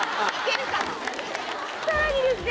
さらにですね